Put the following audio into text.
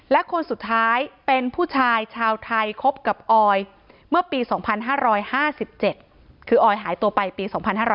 และคนสุดท้ายเป็นผู้ชายชาวไทยคบกับออยเมื่อปี๒๕๕๗คือออยหายตัวไปปี๒๕๕๙